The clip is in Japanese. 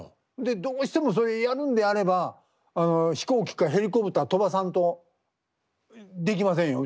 「どうしてもそれやるんであれば飛行機かヘリコプター飛ばさんとできませんよ」。